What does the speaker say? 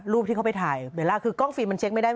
ที่เขาไปถ่ายเบลล่าคือกล้องฟิล์มันเช็คไม่ได้